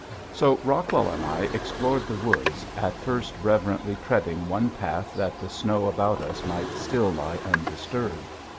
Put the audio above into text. So Rockwell and I explored the woods, at first reverently treading one path that the snow about us might still lie undisturbed.